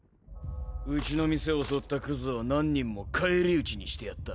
ウチの店襲ったクズを何人も返り討ちにしてやった。